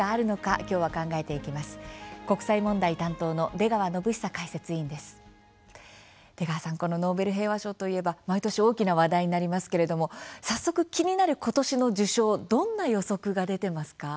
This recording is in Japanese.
出川さんノーベル平和賞といえば毎年大きな話題になりますけども気になることしの受賞どんな予測が出ていますか？